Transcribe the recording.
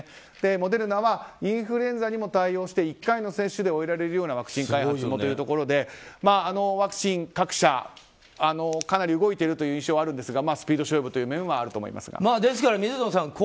モデルナはインフルエンザにも対応して１回の接種で終えられるようなワクチン開発をというところでワクチン各社かなり動いている印象はあるんですがスピード勝負という面はですから水野さん